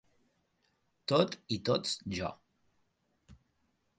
Tot i tots jo.